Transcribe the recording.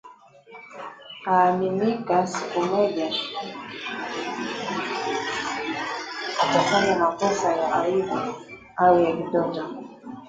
Anaaminika siku mmoja atafanya makosa ya aibu au ya kitoto